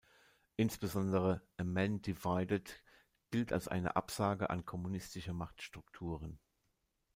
Insbesondere "A Man Divided" gilt als eine Absage an kommunistische Machtstrukturen.